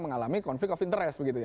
mengalami konflik of interest begitu ya